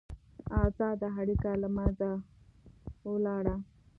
ازاده اړیکه له منځه ولاړه.